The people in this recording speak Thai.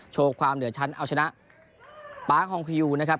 โชว์ความเหลือชั้นเอาชนะป๊าคองคิวนะครับ